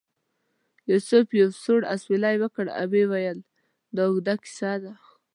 یوسف یو سوړ اسویلی وکړ او ویل یې دا اوږده کیسه ده.